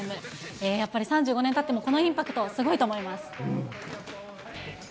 やっぱり３５年たってもこのインパクト、すごいと思います。